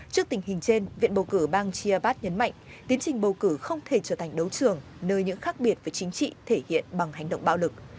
trước tình hình trên viện bầu cử bang chia avat nhấn mạnh tiến trình bầu cử không thể trở thành đấu trường nơi những khác biệt về chính trị thể hiện bằng hành động bạo lực